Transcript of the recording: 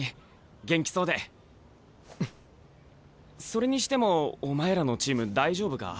それにしてもお前らのチーム大丈夫か？